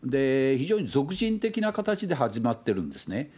非常に属人的な形で始まってるんですね。